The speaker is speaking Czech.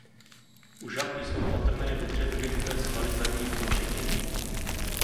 U žab jsou patrné dobře vyvinuté svaly zadních končetin.